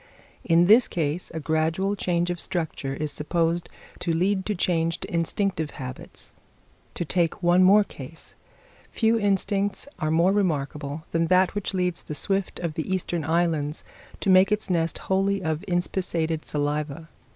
In this case a gradual change of structure is supposed to lead to changed instinctive habits. To take one more case: few instincts are more remarkable than that which leads the swift of the Eastern Islands to make its nest wholly of inspissated saliva.